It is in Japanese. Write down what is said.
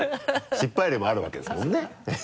失敗例もあるわけですもんね？